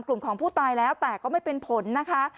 กลุ่มของผู้ตายแล้วแต่ก็ไม่เป็นผลนะคะ